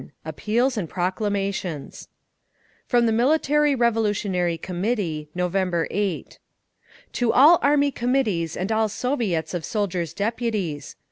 APPEALS AND PROCLAMATIONS From the Military Revolutionary Committee, November 8: "To All Army Committees and All Soviets of Soldiers' Deputies.